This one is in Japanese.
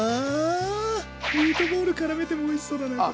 ミートボールからめてもおいしそうだなこれ。